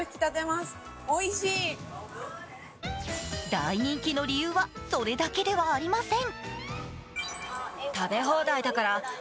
大人気の理由はそれだけではありません。